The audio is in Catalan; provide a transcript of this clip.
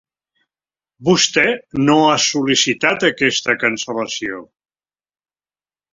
Vostè no ha sol·licitat aquesta cancel·lació?